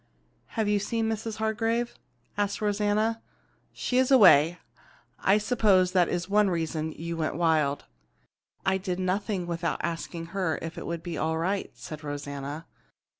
"Have you seen Mrs. Hargrave?" asked Rosanna. "She is away. I suppose that is one reason that you went wild." "I did nothing without asking her if it would be all right," said Rosanna.